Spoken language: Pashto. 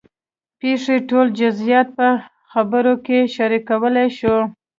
د پېښې ټول جزیات په خبرو کې شریکولی شو.